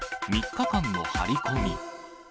３日間の張り込み。